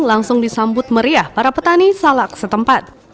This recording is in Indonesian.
langsung disambut meriah para petani salak setempat